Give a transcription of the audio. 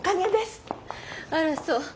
あらそう。